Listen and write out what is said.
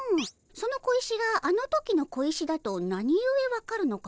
その小石があの時の小石だとなにゆえ分かるのかの？